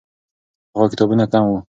پخوا کتابونه کم وو.